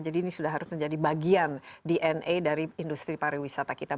jadi ini sudah harus menjadi bagian dna dari industri pariwisata kita